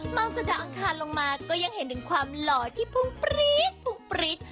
มองสะดอกอังคารลงมาก็ยังเห็นถึงความหล่อที่พุ่งปรี๊ด